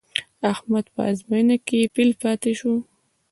احمد په ازموینه کې فېل پاتې شو.